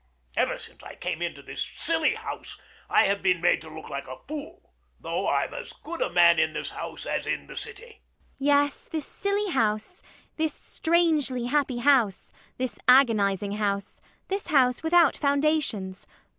Ever since I came into this silly house I have been made to look like a fool, though I'm as good a man in this house as in the city. ELLIE [musically]. Yes: this silly house, this strangely happy house, this agonizing house, this house without foundations.